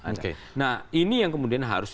ada nah ini yang kemudian harus